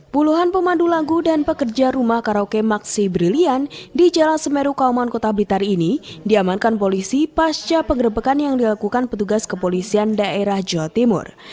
puluhan pemandu lagu dan pekerja rumah karaoke maksi brilian di jalan semeru kauman kota blitar ini diamankan polisi pasca pengerebekan yang dilakukan petugas kepolisian daerah jawa timur